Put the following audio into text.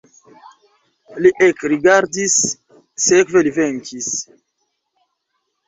Li ekrigardis, sekve li venkis.